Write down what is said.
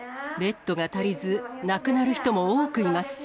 ベッドが足りず、亡くなる人も多くいます。